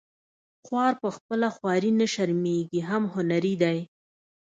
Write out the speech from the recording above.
خوار په خپله خواري نه شرمیږي هم هنري دی